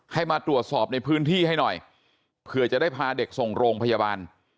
ให้มาตรวจสอบในพื้นที่ให้หน่อยเผื่อจะได้พาเด็กส่งโรงพยาบาล